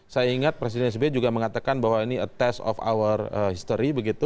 saya ingat presiden sbe juga mengatakan bahwa ini a test of our history